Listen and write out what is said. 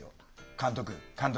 監督監督。